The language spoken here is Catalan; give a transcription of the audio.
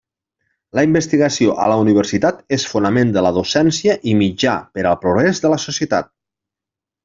La investigació a la Universitat és fonament de la docència i mitjà per al progrés de la societat.